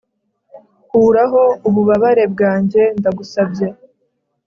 Kuraho ububabare bwanjye Ndagusabye